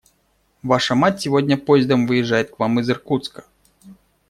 Ваша мать сегодня поездом выезжает к вам из Иркутска.